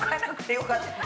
よかったね。